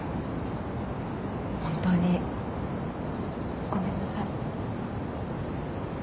本当にごめんなさい。